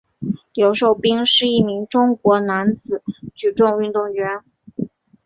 刘寿斌是一名中国男子举重运动员。